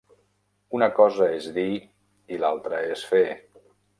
Una cosa és dir i l'altra és fer.